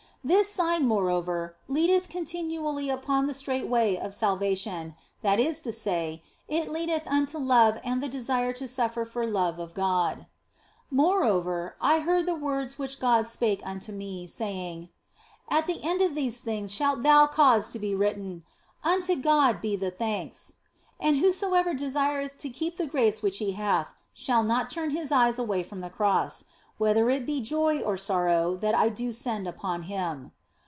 This sign, moreover, leadeth continually upon the straight way of salvation, that is to say, it leadeth unto love and the desire to suffer for love of God. OF FOLIGNO 201 Moreover, I heard the words which God spake unto me, saying, " At the end of these things shalt thou cause to be written, * Unto God be the thanks, and whoso desireth to keep the grace which he hath shall not turn his eyes away from the Cross, whether it be joy or sorrow that I do send upon him."